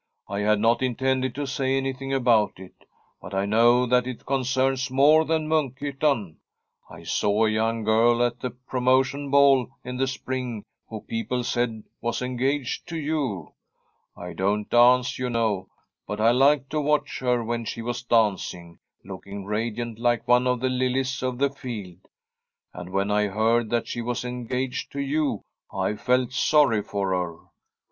* I had not intended to say anything about it, but I know that it concerns more than Munkhyttan. I saw a young girl at the Promo tion Ball in the spring who, people said, was en gaged to you. I don't dance, you know, but I liked to watch her when she was dancing, look ing radiant like one of the lilies of the field. And when I heard that she was engaged to you, I felt sorry for her.'